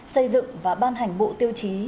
xây dựng và ban hành bộ tiêu chí